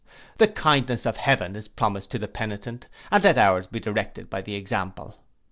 The kindness of heaven is promised to the penitent, and let ours be directed by the example.